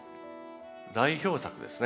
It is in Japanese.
代表作ですね。